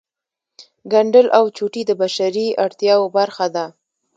ګنډل او چوټې د بشري اړتیاوو برخه ده